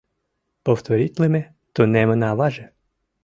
Повторитлыме — тунеммын аваже.